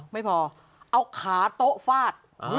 ไม่พอเอาขาโต๊ะฟาด